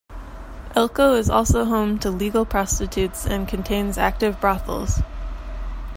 Elko is also home to legal prostitutes and contains active brothels.